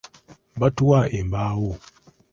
Batuwa embaawo.